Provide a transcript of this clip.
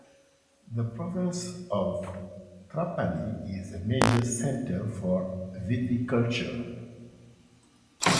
The Province of Trapani is a major centre for viticulture.